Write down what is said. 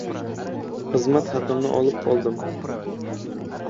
— Xizmat haqimni opqoldim.